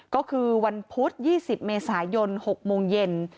ก็คือวันพุธ๒๐เมษายน๖โมงเย็น